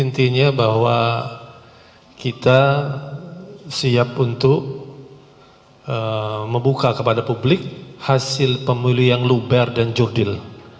intinya bahwa kita siap untuk membuka kepada publik hasil pemilu yang luber dan jurdil